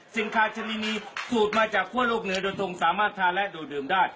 คาซิมินีสูตรมาจากทั่วโลกเหนือโดยตรงสามารถทานและโดดดื่มได้